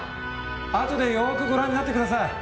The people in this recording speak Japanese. あとでよくご覧になってください。